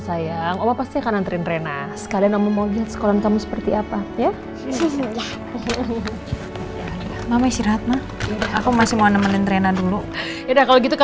sini eh sambil tidur dong